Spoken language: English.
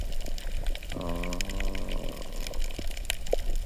I haven't any desire to go home.